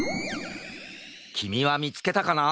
きみはみつけたかな！？